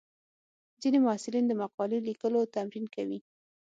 ځینې محصلین د مقالې لیکلو تمرین کوي.